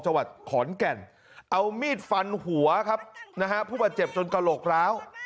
จังหวัดขอนแก่นเอามีดฟันหัวครับนะฮะผู้บาดเจ็บจนกระโหลกร้าว